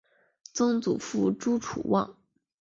曾祖父朱楚望。